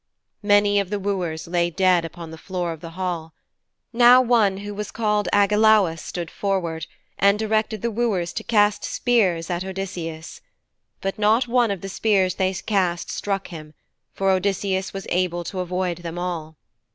Many of the wooers lay dead upon the floor of the hall. Now one who was called Agelaus stood forward, and directed the wooers to cast spears at Odysseus. But not one of the spears they cast struck him, for Odysseus was able to avoid them all.